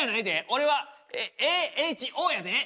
俺は「Ａ」「Ｈ」「Ｏ」やで！